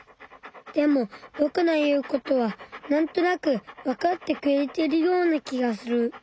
でもぼくの言うことはなんとなくわかってくれてるような気がする。